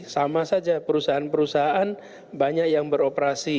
sama saja perusahaan perusahaan banyak yang beroperasi